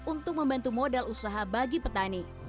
untuk membantu modal usaha bagi petani